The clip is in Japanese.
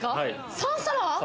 ３皿。